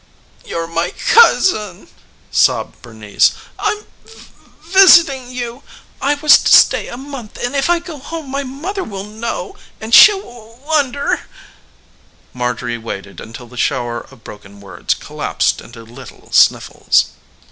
"You're my cousin," sobbed Bernice. "I'm v v visiting you. I was to stay a month, and if I go home my mother will know and she'll wah wonder " Marjorie waited until the shower of broken words collapsed into little sniffles.